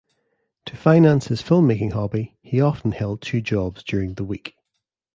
To finance his filmmaking hobby, he often held two jobs during the week.